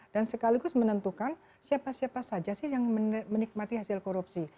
dan sekaligus menentukan siapa siapa saja sih yang menikmati hasil korupsi